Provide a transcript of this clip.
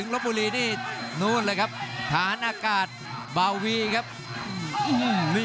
รับทราบบรรดาศักดิ์